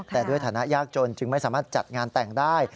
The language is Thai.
แต่ด้วยฐานะยากจนจึงไม่สามารถจัดงานแต่งได้